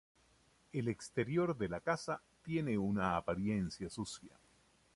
El exterior de la casa tiene una apariencia sucia.